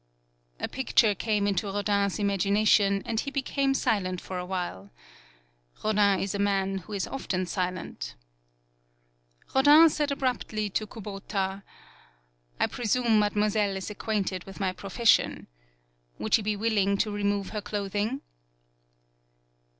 A picture came into Rodin's imagi nation, and he became silent for a while. Rodin is a man who is often silent. 44 HANARO Rodin said abruptly to Kubota: "I presume Mademoiselle is ac quainted with my profession. Would she be willing to remove her cloth ing?"